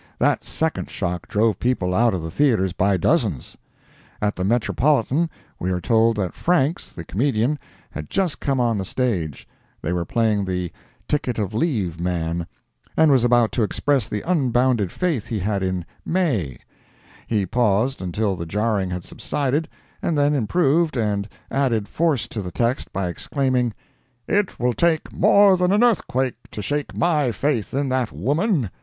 That second shock drove people out of the theatres by dozens. At the Metropolitan, we are told that Franks, the comedian, had just come on the stage, (they were playing the "Ticket of Leave Man,") and was about to express the unbounded faith he had in May; he paused until the jarring had subsided, and then improved and added force to the text by exclaiming, "It will take more than an earthquake to shake my faith in that woman!"